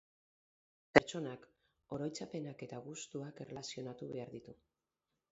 Pertsonak oroitzapenak eta gustuak erlazionatu behar ditu.